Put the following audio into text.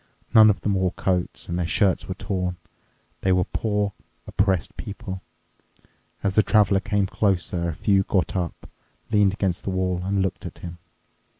None of them wore coats, and their shirts were torn. They were poor, oppressed people. As the Traveler came closer, a few got up, leaned against the wall, and looked at him.